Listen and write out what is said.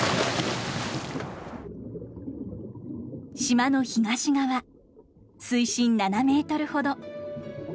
島の東側水深７メートルほど。